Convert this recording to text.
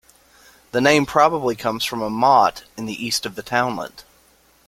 The name probably comes from a motte in the east of the townland.